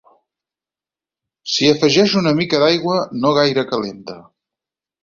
S'hi afegeix una mica d'aigua no gaire calenta.